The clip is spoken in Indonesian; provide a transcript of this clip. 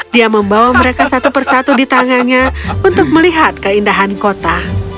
dia membawa mereka satu persatu di tangannya untuk melihat keindahan kota